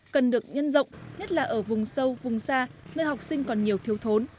cần được nhân rộng nhất là ở vùng sâu vùng xa nơi học sinh còn nhiều thiếu thốn